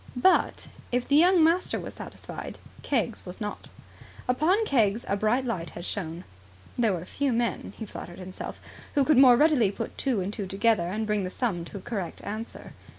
But, if the young master was satisfied, Keggs was not. Upon Keggs a bright light had shone. There were few men, he flattered himself, who could more readily put two and two together and bring the sum to a correct answer.